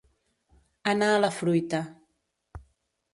Anar a la fruita.